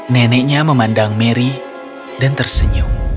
neneknya memandang mary dan tersenyum